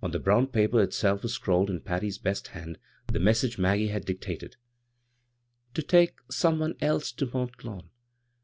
On the brown paper itself was scrawled in Patty's best hand the message Mag^e had dictated : "To take some one else to Mont Lawn.